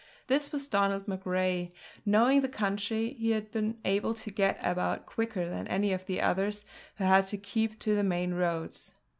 This was Donald MacRae; knowing the country he had been able to get about quicker than any of the others who had to keep to the main roads.